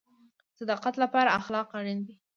د صداقت لپاره اخلاق اړین دي